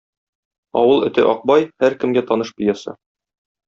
"Авыл эте Акбай" - һәркемгә таныш пьеса.